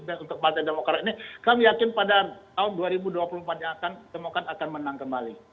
dan untuk partai demokrat ini kami yakin pada tahun dua ribu dua puluh empat nya demokrasi akan menang kembali